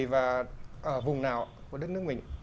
và ở vùng nào của đất nước mình